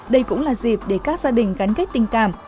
đây cũng là dịp để các gia đình gắn kết tình cảm